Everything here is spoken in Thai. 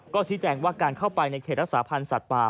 ก็ชี้แจงว่าการเข้าไปในเขตรักษาพันธ์สัตว์ป่า